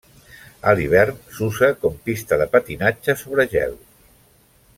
A l'hivern s'usa com pista de patinatge sobre gel.